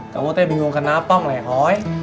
kamu bingung kenapa ngelehoi